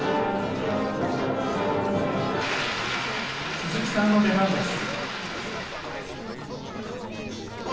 鈴木さんの出番です。